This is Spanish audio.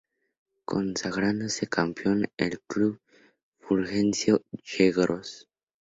Consagrándose campeón el club Fulgencio Yegros.